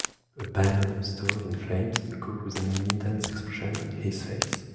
A pan on the stove in flames a cook with an intense expression on his face